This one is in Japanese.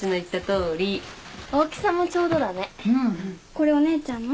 これお姉ちゃんの？